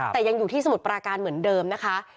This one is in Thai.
แต่ยังอยู่ที่สมุทรปราการเหมือนเดิมนะคะ